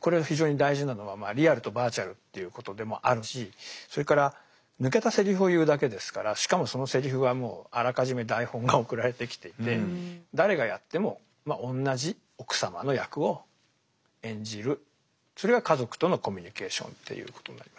これは非常に大事なのはリアルとバーチャルということでもあるしそれから抜けたセリフを言うだけですからしかもそのセリフはもうあらかじめ台本が送られてきていて誰がやってもまあ同じ奥様の役を演じるそれが「家族」とのコミュニケーションということになります。